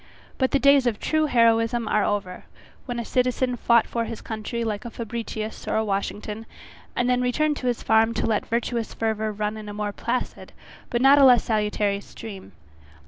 But the days of true heroism are over, when a citizen fought for his country like a Fabricius or a Washington, and then returned to his farm to let his virtuous fervour run in a more placid, but not a less salutary stream.